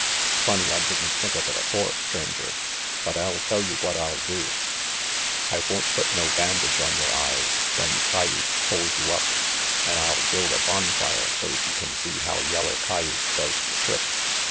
Funny I didn't think of it afore, Stranger, but I'll tell you what I'll do. I won't put no bandage on yore eyes when cayuse pulls you up, an' I'll build a bonfire so's you can see how yeller cayuse does the trick.